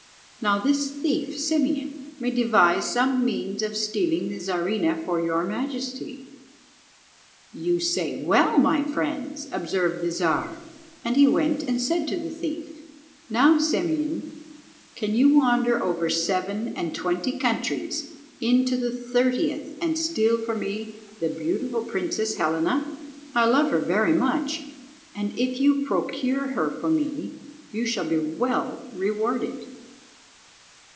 Now this thief, Simeon, may devise some means of stealing the Czarina for your Majesty." "You say well, my friends," observed the Czar, and he went and said to the thief— "Now, Simeon, can you wander over seven and twenty countries into the thirtieth and steal for me the beautiful princess, Helena? I love her very much, and if you procure her for me you shall be well rewarded."